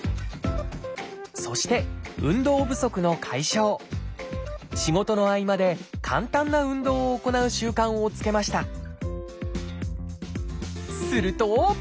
そして仕事の合間で簡単な運動を行う習慣をつけました。